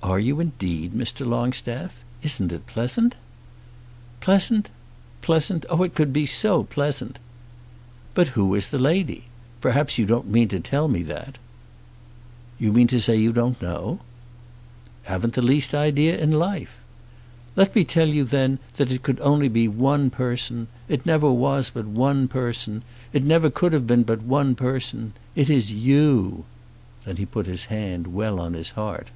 "Are you indeed, Mr. Longstaff? Isn't it pleasant?" "Pleasant; pleasant? Oh, it could be so pleasant." "But who is the lady? Perhaps you don't mean to tell me that." "You mean to say you don't know?" "Haven't the least idea in life." "Let me tell you then that it could only be one person. It never was but one person. It never could have been but one person. It is you." Then he put his hand well on his heart.